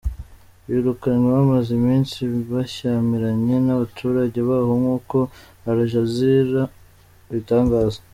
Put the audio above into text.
Birukanwe bamaze iminsi bashyamiranye n’abaturage baho nk’uko Aljazeera ibitangaza.